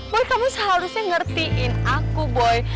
menurut kamu seharusnya ngertiin aku boy